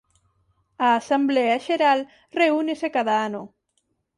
A Asemblea Xeral reúnese cada ano.